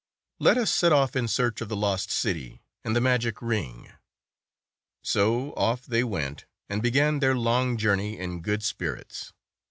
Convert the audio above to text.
Let us set off in search of the lost city and the magic ring." So off they went, and began their long journey in good spirits.